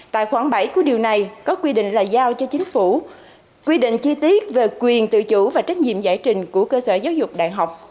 tại khoảng bảy của điều này có quy định là giao cho chính phủ quy định chi tiết về quyền tự chủ và trách nhiệm giải trình của cơ sở giáo dục đại học